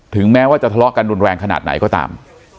แม้ว่าจะทะเลาะกันรุนแรงขนาดไหนก็ตาม